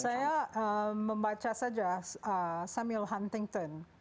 saya membaca saja samuel huntington